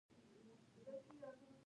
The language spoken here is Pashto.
د افغانستان طبیعت له منی څخه جوړ شوی دی.